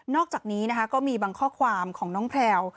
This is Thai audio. อกจากนี้นะคะก็มีบางข้อความของน้องแพลว